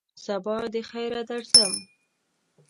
سبا دخیره درځم !